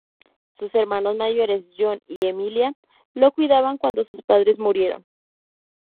Sus hermanos mayores, John y Emilia, lo cuidaban cuando sus padres murieron.